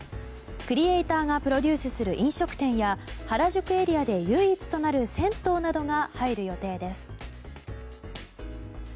クリエーターがプロデュースする飲食店や原宿エリアで唯一となる銭湯などが入る予定です。